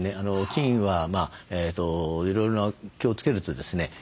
菌はいろいろ気をつけるとですね